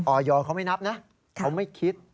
อยเขาไม่นับนะเขาไม่คิด